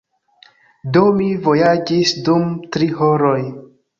Do, mi vojaĝis dum tri horoj.